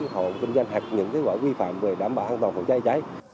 hộ kinh doanh hoặc những quả vi phạm về đảm bảo an toàn khẩu trang